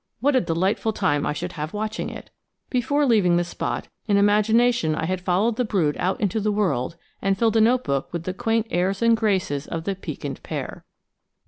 What a delightful time I should have watching it! Before leaving the spot, in imagination I had followed the brood out into the world and filled a note book with the quaint airs and graces of the piquant pair.